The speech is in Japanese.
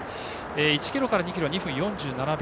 １ｋｍから２ｋｍは２分４７秒。